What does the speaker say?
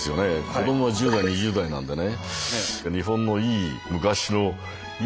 子どもは１０代２０代なんでね。